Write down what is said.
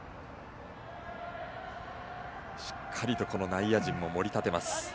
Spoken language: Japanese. しっかりと内野陣も盛り立てます。